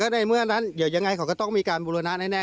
ในเมื่อนั้นเดี๋ยวยังไงเขาก็ต้องมีการบูรณะแน่